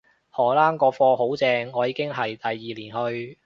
荷蘭個課好正，我已經係第二年去